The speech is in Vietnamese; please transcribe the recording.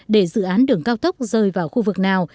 để dự án đường cao tốc rơi vào khu vực nào